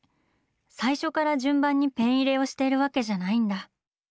最初から順番にペン入れをしているわけじゃないんだ。